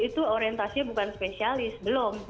itu orientasinya bukan spesialis belum